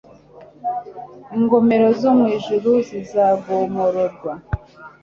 ingomero zo mu ijuru zizagomororwa